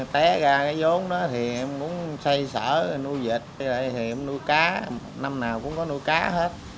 té ra cái vốn đó thì em cũng xây sở nuôi dịch em nuôi cá năm nào cũng có nuôi cá hết